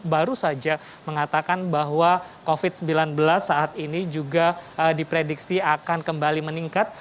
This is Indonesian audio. baru saja mengatakan bahwa covid sembilan belas saat ini juga diprediksi akan kembali meningkat